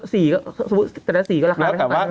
สิ่งโดยแต่ละสี่ก็ระคานไปก่อน